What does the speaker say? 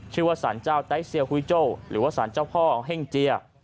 ชื่อว่าสารเจ้าไต้เซียฮุยโจ้หรือว่าสารเจ้าพ่อเฮ่งเจีย